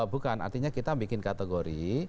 bukan artinya kita bikin kategori